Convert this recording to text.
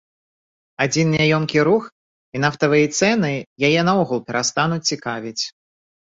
Адзін няёмкі рух і нафтавыя цэны яе, наогул, перастануць цікавіць.